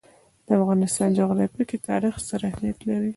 د افغانستان جغرافیه کې تاریخ ستر اهمیت لري.